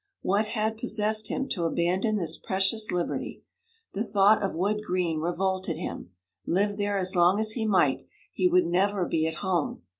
What had possessed him to abandon this precious liberty! The thought of Wood Green revolted him; live there as long as he might, he would never be at home.